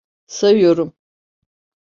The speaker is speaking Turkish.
Sayıyorum.